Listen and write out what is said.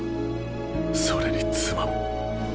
それに妻も。